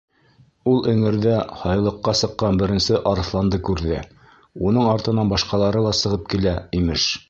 Ул эңерҙә һайлыҡҡа сыҡҡан беренсе арыҫланды күрҙе, уның артынан башҡалары ла сығып килә, имеш.